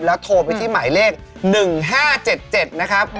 แล้วโทรไปที่หมายเลข๑๕๗๗นะครับ